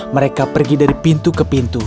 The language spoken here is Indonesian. mereka pergi dari pintu ke pintu